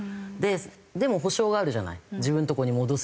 でも保証があるじゃない自分のとこに戻すっていう。